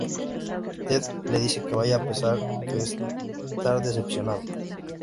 Ted le dice que vaya, a pesar de estar decepcionado.